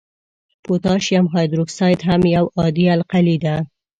پوتاشیم هایدروکساید هم یو عادي القلي ده.